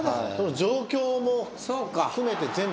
状況も含めて全部。